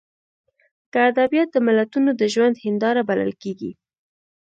که ادبیات د ملتونو د ژوند هینداره بلل کېږي.